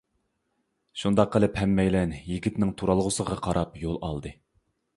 شۇنداق قىلىپ ھەممەيلەن يىگىتنىڭ تۇرالغۇسىغا قاراپ يول ئالدى.